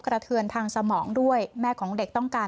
เทือนทางสมองด้วยแม่ของเด็กต้องการ